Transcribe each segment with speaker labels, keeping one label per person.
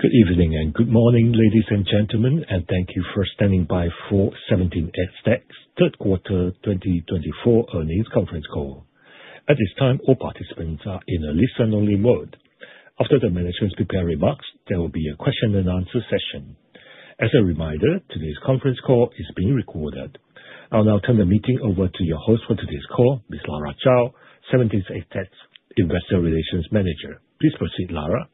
Speaker 1: Good evening and good morning, ladies and gentlemen, and thank you for standing by for 17EdTech's third quarter 2024 earnings conference call. At this time, all participants are in a listen-only mode. After the management's prepared remarks, there will be a question-and-answer session. As a reminder, today's conference call is being recorded. I'll now turn the meeting over to your host for today's call, Ms. Lara Zhao, 17EdTech's Investor Relations Manager. Please proceed, Lara.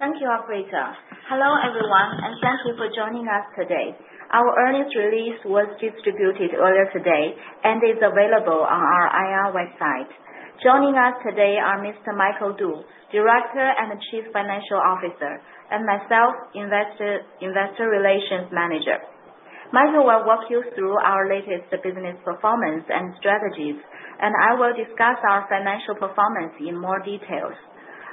Speaker 2: Thank you, Operator. Hello everyone, and thank you for joining us today. Our earnings release was distributed earlier today and is available on our IR website. Joining us today are Mr. Michael Du, Director and Chief Financial Officer, and myself, Investor Relations Manager. Michael will walk you through our latest business performance and strategies, and I will discuss our financial performance in more detail.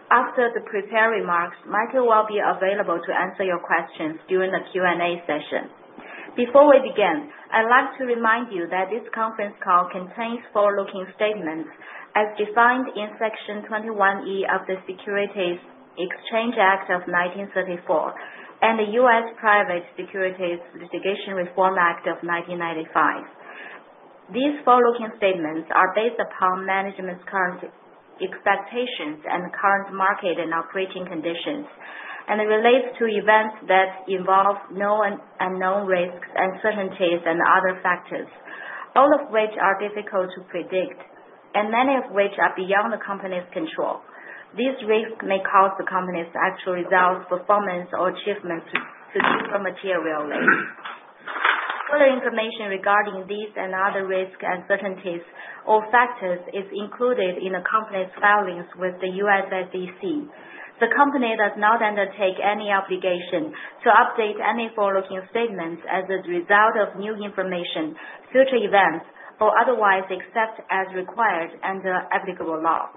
Speaker 2: After the prepared remarks, Michael will be available to answer your questions during the Q&A session. Before we begin, I'd like to remind you that this conference call contains forward-looking statements as defined in Section 21(e) of the Securities Exchange Act of 1934 and the U.S. Private Securities Litigation Reform Act of 1995. These forward-looking statements are based upon management's current expectations and current market and operating conditions, and it relates to events that involve known and unknown risks, uncertainties, and other factors, all of which are difficult to predict, and many of which are beyond the company's control. These risks may cause the company's actual results, performance, or achievements to differ materially. Further information regarding these and other risks, uncertainties, or factors is included in the company's filings with the U.S. SEC. The company does not undertake any obligation to update any forward-looking statements as a result of new information, future events, or otherwise except as required under applicable law.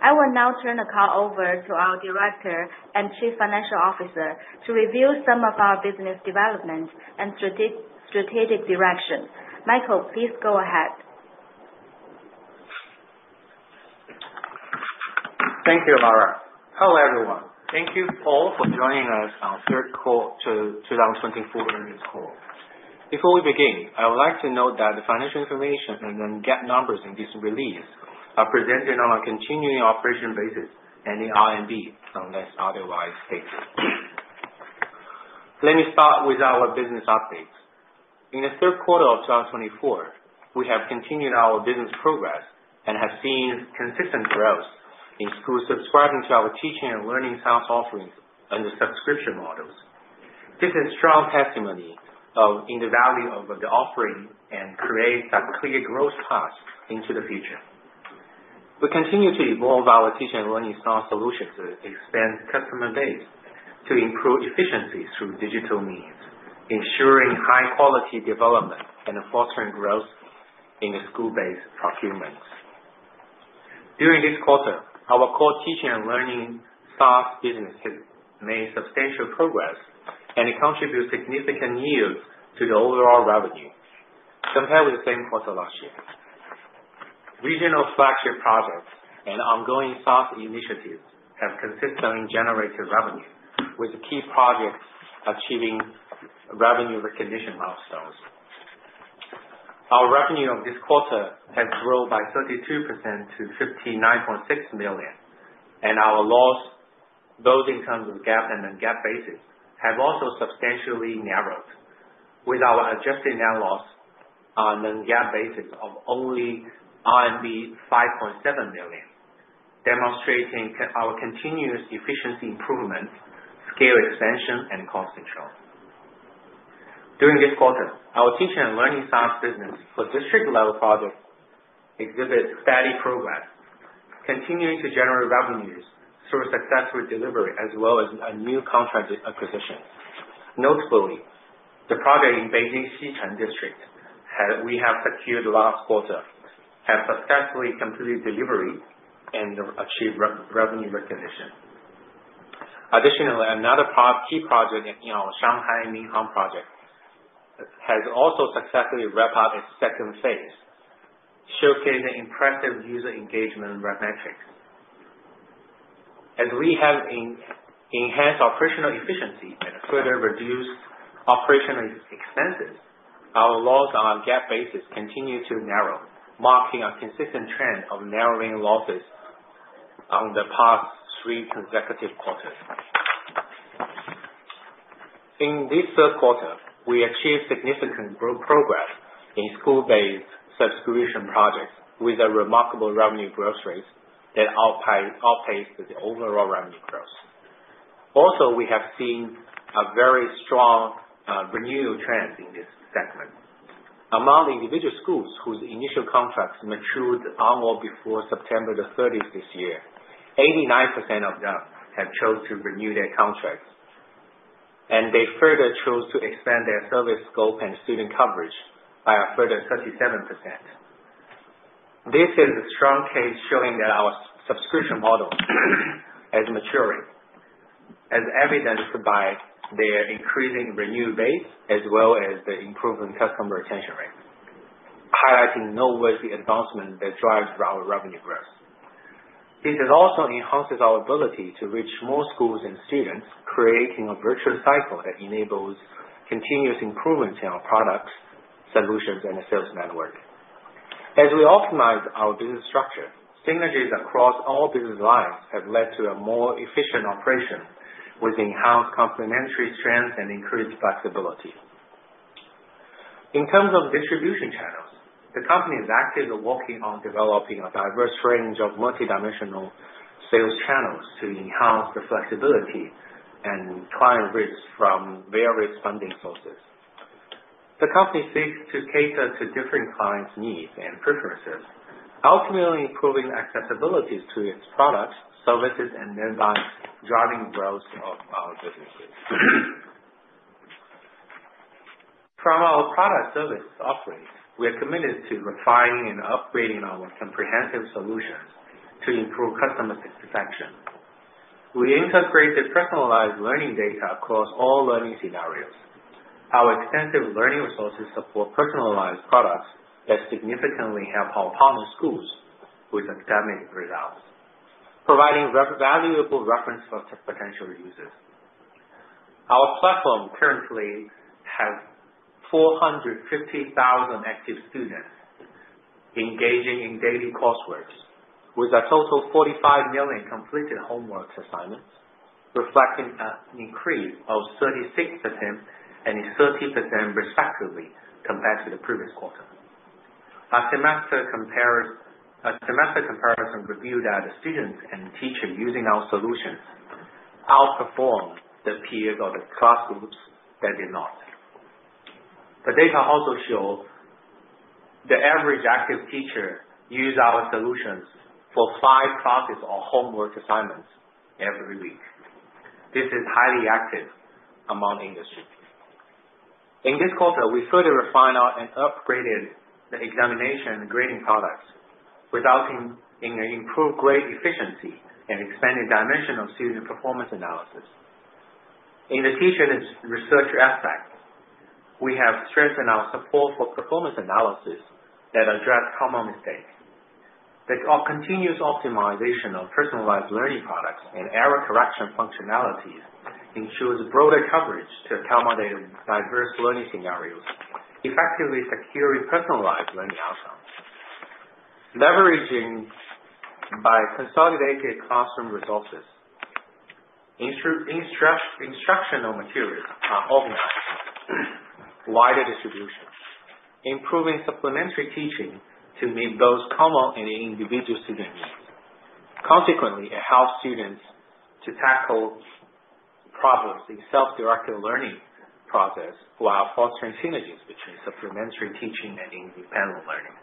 Speaker 2: I will now turn the call over to our Director and Chief Financial Officer to review some of our business development and strategic direction. Michael, please go ahead.
Speaker 3: Thank you, Lara. Hello everyone. Thank you all for joining us on the third quarter 2024 earnings call. Before we begin, I would like to note that the financial information and the GAAP numbers in this release are presented on a continuing operation basis and in RMB, unless otherwise stated. Let me start with our business updates. In the third quarter of 2024, we have continued our business progress and have seen consistent growth through subscribing to our teaching and learning SaaS offerings under subscription models. This is strong testimony of the value of the offering and creates a clear growth path into the future. We continue to evolve our teaching and learning SaaS solutions to expand customer base, to improve efficiencies through digital means, ensuring high-quality development and fostering growth in the school-based procurements. During this quarter, our core teaching and learning SaaS business has made substantial progress, and it contributes significant yields to the overall revenue, compared with the same quarter last year. Regional flagship projects and ongoing SaaS initiatives have consistently generated revenue, with key projects achieving revenue recognition milestones. Our revenue of this quarter has grown by 32% to 59.6 million, and our loss, both in terms of GAAP and non-GAAP basis, have also substantially narrowed, with our adjusted net loss on a non-GAAP basis of only RMB 5.7 million, demonstrating our continuous efficiency improvement, scale expansion, and cost control. During this quarter, our teaching and learning SaaS business for district-level projects exhibits steady progress, continuing to generate revenues through successful delivery as well as new contract acquisitions. Notably, the project in Beijing Xicheng District we have secured last quarter has successfully completed delivery and achieved revenue recognition. Additionally, another key project in our Shanghai Minhang project has also successfully wrapped up its second phase, showcasing impressive user engagement metrics. As we have enhanced operational efficiency and further reduced operational expenses, our loss on a GAAP basis continues to narrow, marking a consistent trend of narrowing losses on the past three consecutive quarters. In this third quarter, we achieved significant progress in school-based subscription projects with a remarkable revenue growth rate that outpaced the overall revenue growth. Also, we have seen a very strong renewal trend in this segment. Among the individual schools whose initial contracts matured on or before September the 30th this year, 89% of them have chosen to renew their contracts, and they further chose to expand their service scope and student coverage by a further 37%. This is a strong case showing that our subscription model is maturing, as evidenced by their increasing renewal rate as well as the improving customer retention rate, highlighting noteworthy advancements that drive our revenue growth. This also enhances our ability to reach more schools and students, creating a virtuous cycle that enables continuous improvements in our products, solutions, and sales network. As we optimize our business structure, synergies across all business lines have led to a more efficient operation with enhanced complementary strength and increased flexibility. In terms of distribution channels, the company is actively working on developing a diverse range of multidimensional sales channels to enhance the flexibility and client reach from various funding sources. The company seeks to cater to different clients' needs and preferences, ultimately improving accessibility to its products, services, and thereby driving growth of our businesses. From our product service offerings, we are committed to refining and upgrading our comprehensive solutions to improve customer satisfaction. We integrated personalized learning data across all learning scenarios. Our extensive learning resources support personalized products that significantly help our partner schools with academic results, providing valuable reference for potential users. Our platform currently has 450,000 active students engaging in daily coursework, with a total of 45 million completed homework assignments, reflecting an increase of 36% and 30% respectively compared to the previous quarter. Our semester comparison revealed that the students and teachers using our solutions outperformed the peers or the class groups that did not. The data also showed the average active teacher used our solutions for five classes or homework assignments every week. This is highly active among industry. In this quarter, we further refined and upgraded the examination and grading products, resulting in improved grade efficiency and expanded dimensional student performance analysis. In the teacher and researcher aspect, we have strengthened our support for performance analysis that address common mistakes. The continuous optimization of personalized learning products and error correction functionalities ensures broader coverage to accommodate diverse learning scenarios, effectively securing personalized learning outcomes. Leveraging by consolidated classroom resources, instructional materials are organized wider distribution, improving supplementary teaching to meet both common and individual student needs. Consequently, it helps students to tackle problems in self-directed learning process while fostering synergies between supplementary teaching and independent learning.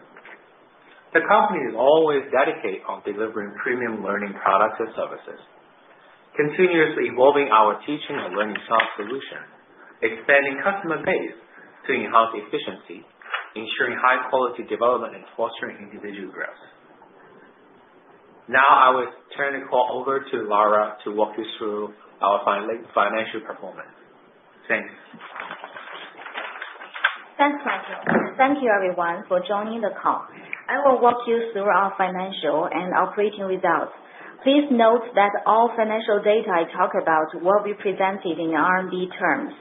Speaker 3: The company is always dedicated to delivering premium learning products and services, continuously evolving our teaching and learning SaaS solutions, expanding customer base to enhance efficiency, ensuring high-quality development, and fostering individual growth. Now, I will turn the call over to Lara to walk you through our financial performance. Thanks.
Speaker 2: Thanks, Michael. Thank you, everyone, for joining the call. I will walk you through our financial and operating results. Please note that all financial data I talk about will be presented in RMB terms.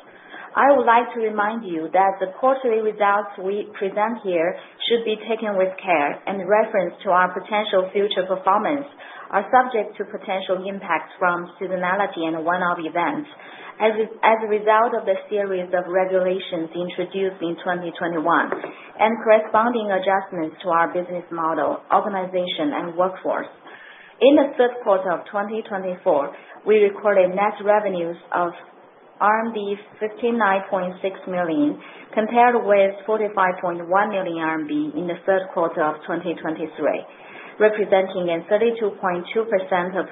Speaker 2: I would like to remind you that the quarterly results we present here should be taken with care, and reference to our potential future performance are subject to potential impacts from seasonality and one-off events as a result of the series of regulations introduced in 2021 and corresponding adjustments to our business model, organization, and workforce. In the third quarter of 2024, we recorded net revenues of RMB 59.6 million, compared with 45.1 million RMB in the third quarter of 2023, representing a 32.2%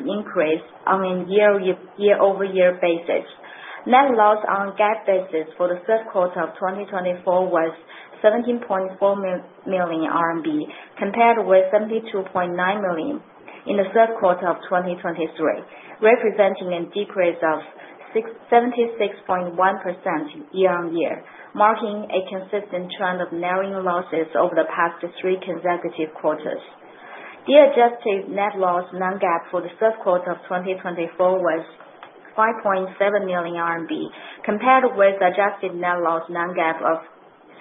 Speaker 2: increase on a year-over-year basis. Net loss on GAAP basis for the third quarter of 2024 was 17.4 million RMB, compared with 72.9 million in the third quarter of 2023, representing a decrease of 76.1% year-on-year, marking a consistent trend of narrowing losses over the past three consecutive quarters. The adjusted net loss non-GAAP for the third quarter of 2024 was 5.7 million RMB, compared with adjusted net loss non-GAAP of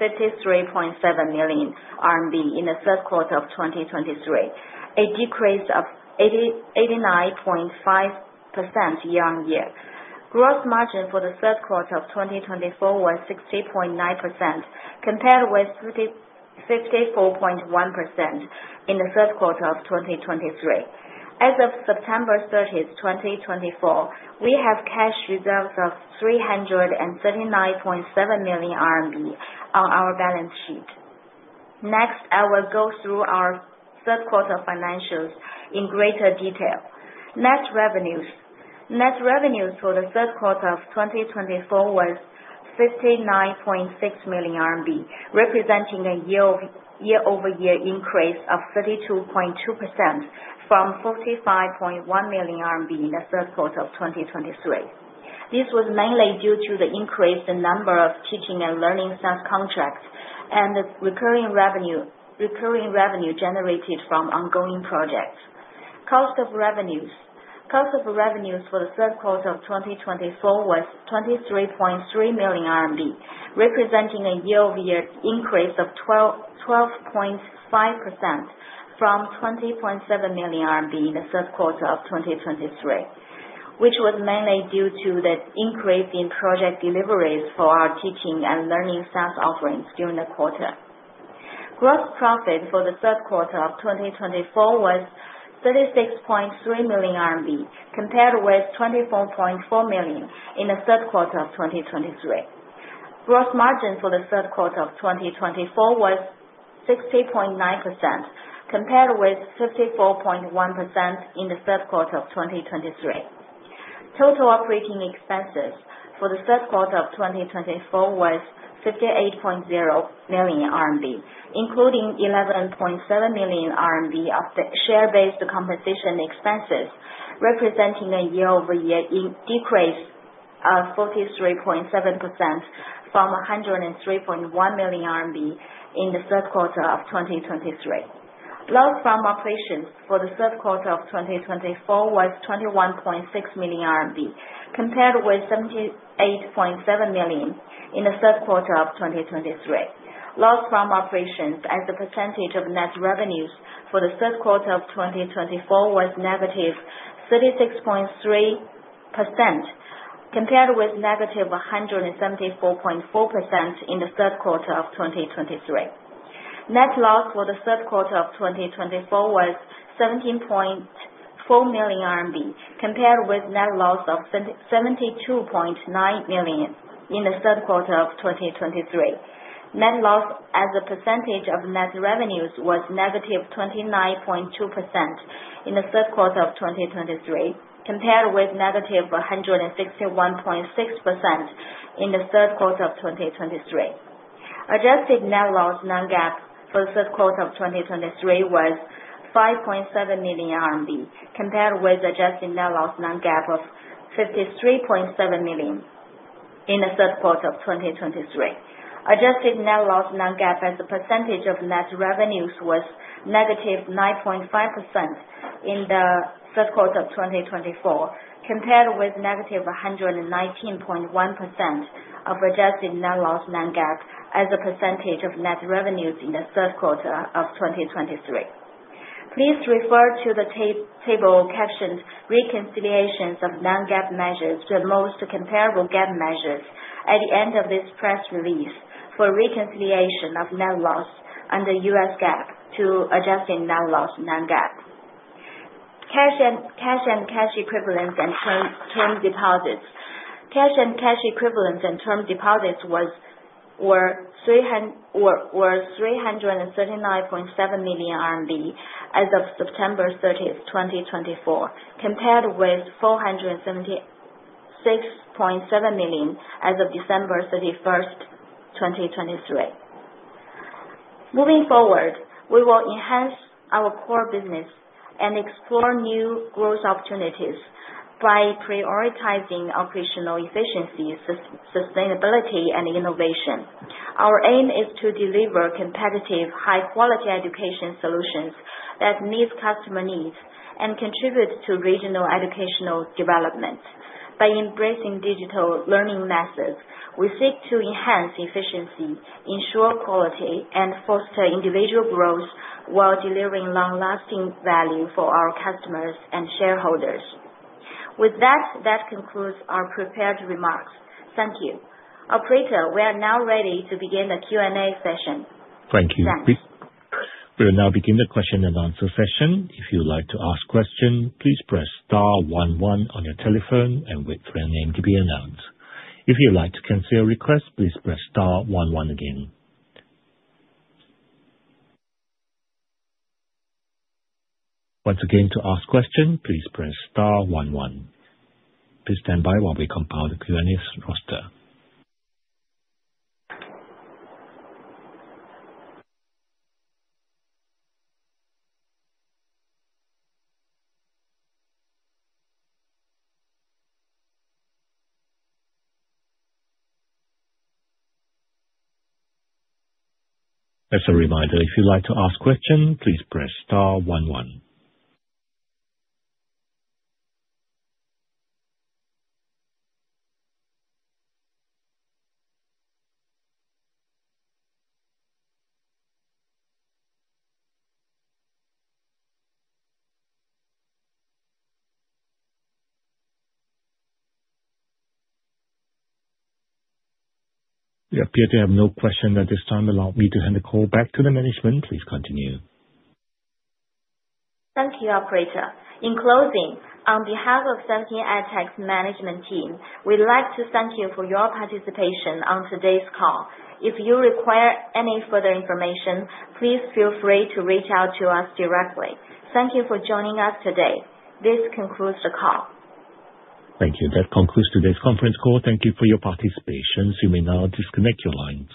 Speaker 2: 53.7 million RMB in the third quarter of 2023, a decrease of 89.5% year-on-year. Gross margin for the third quarter of 2024 was 60.9%, compared with 54.1% in the third quarter of 2023. As of September 30th, 2024, we have cash reserves of 339.7 million RMB on our balance sheet. Next, I will go through our third-quarter financials in greater detail. Net revenues for the third quarter of 2024 was 59.6 million RMB, representing a year-over-year increase of 32.2% from 45.1 million RMB in the third quarter of 2023. This was mainly due to the increased number of teaching and learning SaaS contracts and the recurring revenue generated from ongoing projects. Cost of revenues for the third quarter of 2024 was 23.3 million RMB, representing a year-over-year increase of 12.5% from 20.7 million RMB in the third quarter of 2023, which was mainly due to the increase in project deliveries for our teaching and learning SaaS offerings during the quarter. Gross profit for the third quarter of 2024 was 36.3 million RMB, compared with 24.4 million in the third quarter of 2023. Gross margin for the third quarter of 2024 was 60.9%, compared with 54.1% in the third quarter of 2023. Total operating expenses for the third quarter of 2024 was 58.0 million RMB, including 11.7 million RMB of the share-based compensation expenses, representing a year-over-year decrease of 43.7% from 103.1 million RMB in the third quarter of 2023. Loss from operations for the third quarter of 2024 was 21.6 million RMB, compared with 78.7 million in the third quarter of 2023. Loss from operations as a percentage of net revenues for the third quarter of 2024 was -36.3%, compared with -174.4% in the third quarter of 2023. Net loss for the third quarter of 2024 was 17.4 million RMB, compared with net loss of 72.9 million in the third quarter of 2023. Net loss as a percentage of net revenues was -29.2% in the third quarter of 2024, compared with -161.6% in the third quarter of 2023. Adjusted net loss non-GAAP for the third quarter of 2023 was 5.7 million RMB RMB, compared with adjusted net loss non-GAAP of 53.7 million in the third quarter of 2023. Adjusted net loss non-GAAP as a percentage of net revenues was -9.5% in the third quarter of 2024, compared with -119.1% of adjusted net loss non-GAAP as a percentage of net revenues in the third quarter of 2023. Please refer to the table captions "Reconciliations of non-GAAP measures" to the most comparable GAAP measures at the end of this press release for reconciliation of net loss under U.S. GAAP to adjusted net loss non-GAAP. Cash and cash equivalents and term deposits. Cash and cash equivalents and term deposits were 339.7 million RMB as of September 30th, 2024, compared with 476.7 million as of December 31st, 2023. Moving forward, we will enhance our core business and explore new growth opportunities by prioritizing operational efficiency, sustainability, and innovation. Our aim is to deliver competitive, high-quality education solutions that meet customer needs and contribute to regional educational development. By embracing digital learning methods, we seek to enhance efficiency, ensure quality, and foster individual growth while delivering long-lasting value for our customers and shareholders. With that, that concludes our prepared remarks. Thank you. Operator, we are now ready to begin the Q&A session.
Speaker 1: Thank you. We will now begin the question-and-answer session. If you would like to ask a question, please press star one one on your telephone and wait for your name to be announced. If you would like to cancel your request, please press star one one again. Once again, to ask a question, please press star one one. Please stand by while we compile the Q&A roster. As a reminder, if you would like to ask a question, please press star one one. We appear to have no questions at this time. Allow me to hand the call back to the management. Please continue.
Speaker 2: Thank you, Operator. In closing, on behalf of 17EdTech's management team, we'd like to thank you for your participation on today's call. If you require any further information, please feel free to reach out to us directly. Thank you for joining us today. This concludes the call.
Speaker 1: Thank you. That concludes today's conference call. Thank you for your participation. So you may now disconnect your lines.